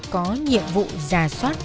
có nhiệm vụ giả soát